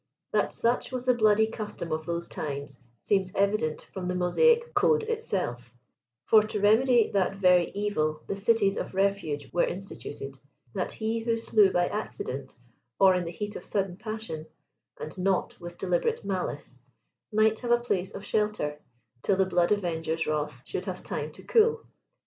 That such was the bloofly custom of those times, seems evi dent from the Mosaic code itself, for to remedy that very evil, the cities of refuge were instituted, that he who slew by accident or in the heat of sudden passion, and not with deliberate malice* might have a place of shelter till the blood avenger's wrath should have time to cool.